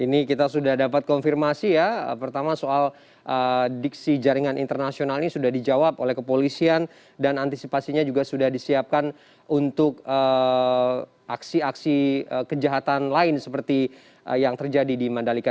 ini kita sudah dapat konfirmasi ya pertama soal diksi jaringan internasional ini sudah dijawab oleh kepolisian dan antisipasinya juga sudah disiapkan untuk aksi aksi kejahatan lain seperti yang terjadi di mandalika